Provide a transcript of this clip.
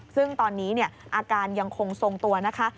ซึ่งตอนนี้อาการยังคงทรงตัวนะคะ